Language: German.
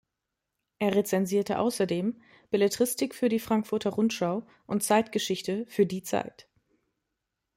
Er rezensierte außerdem Belletristik für die Frankfurter Rundschau und Zeitgeschichte für Die Zeit.